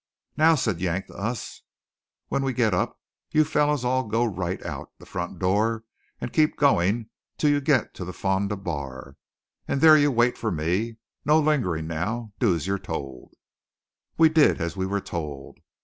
"Now," said Yank to us, "when we get up, you fellows all go right out the front door and keep going until you get to the Fonda bar, and there you wait for me. No lingering, now. Do as you are told." We did as we were told.